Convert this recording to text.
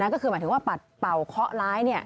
ก็คือหมายถึงว่าปัดเป่าเคราะห์ร้ายเนี่ย